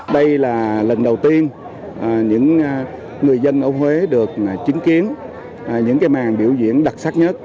đây là lần đầu tiên những người dân ở huế được chứng kiến những cái màn biểu diễn đặc sắc nhất